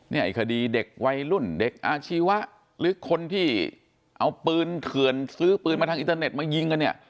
ไอ้คดีเด็กวัยรุ่นเด็กอาชีวะหรือคนที่เอาปืนเถื่อนซื้อปืนมาทางอินเทอร์เน็ตมายิงกันเนี่ย